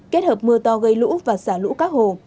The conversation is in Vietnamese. kết hợp mưa to gây lũ và xả lũ các hồ